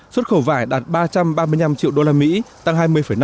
xuất khẩu vải đạt ba trăm ba mươi năm triệu usd tăng hai mươi năm